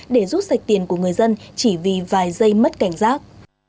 để giúp sạch tiền của người dân chỉ vì vài giây mất cảnh giác